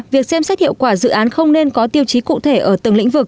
việc xem xét hiệu quả dự án không nên có tiêu chí cụ thể ở từng lĩnh vực